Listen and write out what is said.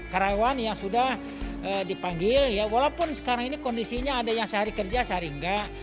karyawan yang sudah dipanggil walaupun sekarang ini kondisinya ada yang sehari kerja sehari enggak